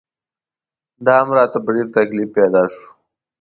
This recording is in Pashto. دا هم راته په ډېر تکلیف پیدا شو.